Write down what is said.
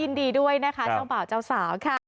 ยินดีด้วยนะคะช่องเป่าเจ้าสาวค่ะ